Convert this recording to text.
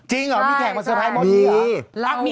จริงเหรอมีแขกมาสเซอร์ไพรส์หมดเหรอมี